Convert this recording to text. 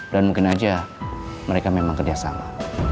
dan mungkin aja mereka memang kerja sama